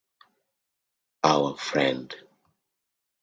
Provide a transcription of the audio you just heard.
Our friend.